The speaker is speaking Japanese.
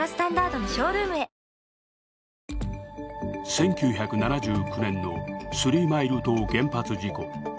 １９７９年のスリーマイル島原発事故。